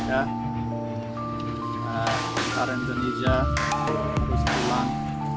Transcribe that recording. pak pemerintah indonesia harus pulang